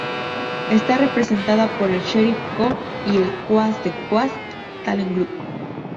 Está representada por The Schiff Co y el Coast to Coast Talent Group.